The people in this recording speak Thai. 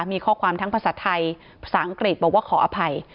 มีข้อความทั้งภาษาไทยภาษาอังกฤษบอกว่าขออภัย